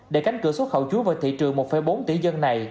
để cánh cửa xuất khẩu chuối vào thị trường một bốn tỷ dân này